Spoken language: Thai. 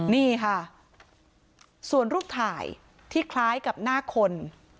นี่ค่ะส่วนรูปถ่ายที่คล้ายกับหน้าคน